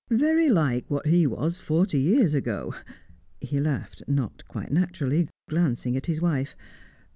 "Very like what he was forty years ago." He laughed, not quite naturally, glancing at his wife.